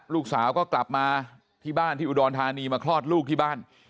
ลูกสาวก็กลับมาที่บ้านที่อุดรธานีมาคลอดลูกที่บ้าน